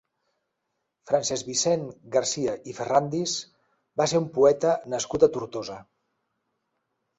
Francesc Vicent Garcia i Ferrandis va ser un poeta nascut a Tortosa.